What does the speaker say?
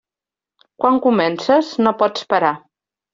Quan comences, no pots parar.